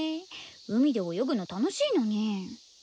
海で泳ぐの楽しいのに。